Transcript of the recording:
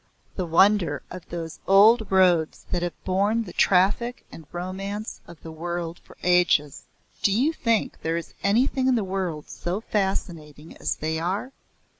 the wonder of those old roads that have borne the traffic and romance of the world for ages. Do you think there is anything in the world so fascinating as they are?